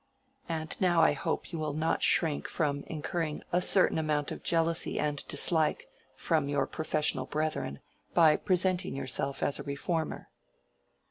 And now I hope you will not shrink from incurring a certain amount of jealousy and dislike from your professional brethren by presenting yourself as a reformer."